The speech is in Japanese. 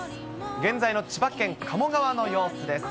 現在の千葉県鴨川の様子です。